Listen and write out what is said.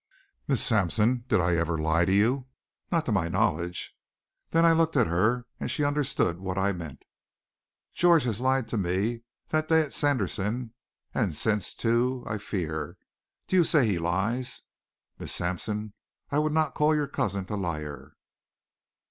"Miss Sampson, did I ever lie to you?" "Not to my knowledge." Then I looked at her, and she understood what I meant. "George has lied to me. That day at Sanderson. And since, too, I fear. Do you say he lies?" "Miss Sampson, I would not call your cousin a liar."